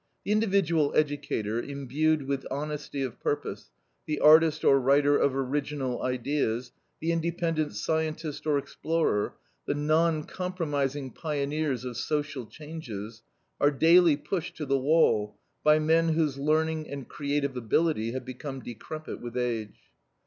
The individual educator imbued with honesty of purpose, the artist or writer of original ideas, the independent scientist or explorer, the non compromising pioneers of social changes are daily pushed to the wall by men whose learning and creative ability have become decrepit with age.